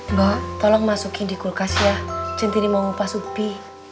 mbak tolong masukin di kulkas ya cinti ini mau mumpah supi